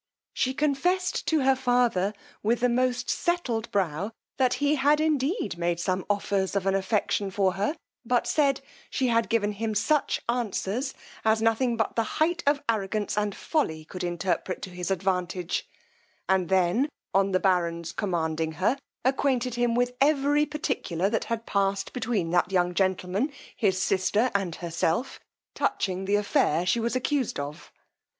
She confessed to her father, with the most settled brow, that he had indeed made some offers of an affection for her, but said, she had given him such answers, as nothing but the height of arrogance and folly could interpret to his advantage; and then, on the baron's commanding her, acquainted him with every particular that had passed between that young gentleman, his sister, and herself, touching the affair she was accused of.